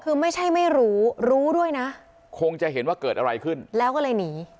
คือไม่ใช่ไม่รู้รู้รู้ด้วยนะคงจะเห็นว่าเกิดอะไรขึ้นแล้วก็เลยหนี